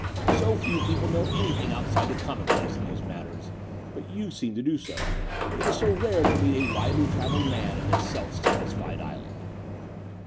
So few people know anything outside the commonplace in these matters: but you seem to do so. It is so rare to meet a widely travelled man in this self satisfied island."